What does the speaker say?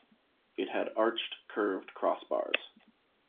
It had arched, curved crossbars.